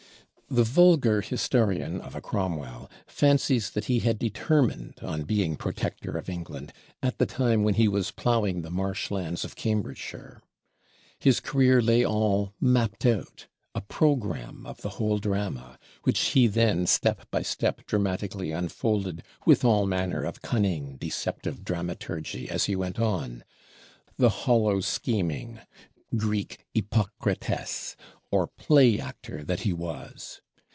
The vulgar Historian of a Cromwell fancies that he had determined on being Protector of England, at the time when he was plowing the marsh lands of Cambridgeshire. His career lay all mapped out: a program of the whole drama; which he then step by step dramatically unfolded with all manner of cunning, deceptive dramaturgy, as he went on, the hollow scheming [Greek: Ypochritês], or Play actor, that he was!